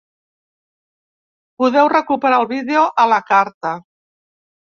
Podeu recuperar el vídeo a la carta.